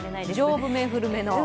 丈夫め、古めの。